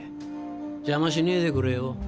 邪魔しねえでくれよ。